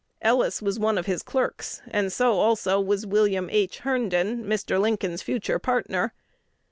Ellis was one of his clerks, and so also was William H. Herndon, Mr. Lincoln's future partner.